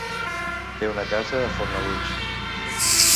Té una casa a Fornalutx.